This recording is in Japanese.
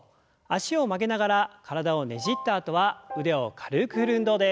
脚を曲げながら体をねじったあとは腕を軽く振る運動です。